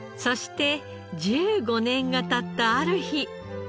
そして１５年が経ったある日。